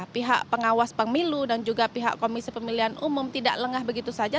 pihak pengawas pemilu dan juga pihak komisi pemilihan umum tidak lengah begitu saja